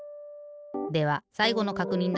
ではさいごのかくにんだぞ。